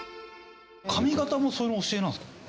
髪形もその教えなんですか？